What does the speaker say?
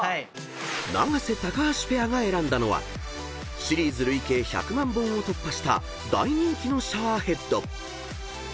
［永瀬・橋ペアが選んだのはシリーズ累計１００万本を突破した大人気のシャワーヘッド］